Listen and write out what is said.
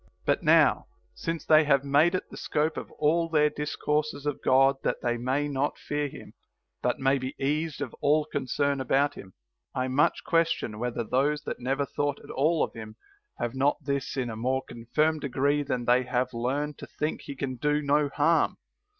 But now, since they have made it the scope of all their discourses of God that they may not fear him, but may be eased of all concern about him, I much question whether those that never thought at all of him have not this in a more confirmed degree than they that have learned to think he can do no harm.